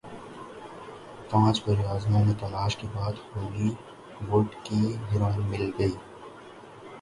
پانچ براعظموں میں تلاش کے بعد ہولی وڈ فلم کی ہیروئن مل گئی